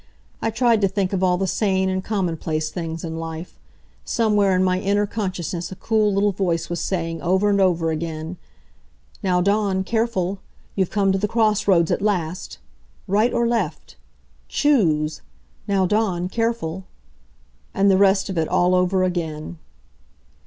I tried to think of all the sane and commonplace things in life. Somewhere in my inner consciousness a cool little voice was saying, over and over again: "Now, Dawn, careful! You've come to the crossroads at last. Right or left? Choose! Now, Dawn, careful!" and the rest of it all over again.